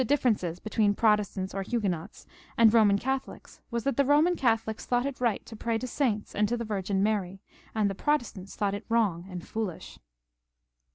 differences between Protestants or Huguenots anci Eoman Catholics was that the Boman Catholics thought it right to pray to saints and to the Virgin Maiy, and the Protest ants thought it wrong and foolish.